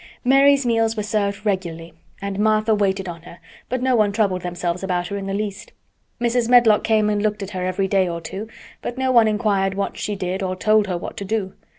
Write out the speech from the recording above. Mary's meals were served regularly, and Martha waited on her, but no one troubled themselves about her in the least. Mrs. Medlock came and looked at her every day or two, but no one inquired what she did or told her what to do.